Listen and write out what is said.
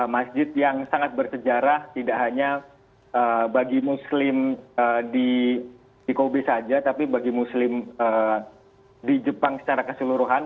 masjid yang sangat bersejarah tidak hanya bagi muslim di kobe saja tapi bagi muslim di jepang secara keseluruhan